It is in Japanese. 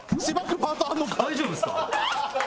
大丈夫ですか？